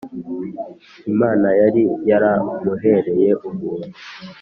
imana yari yaramuhereye ubuntu.